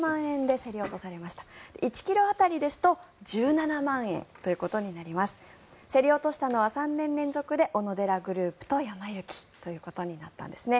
競り落としたのは３年連続でオノデラグループとやま幸ということになったんですね。